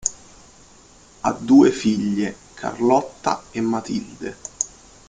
Ha due figlie, Carlotta e Matilde.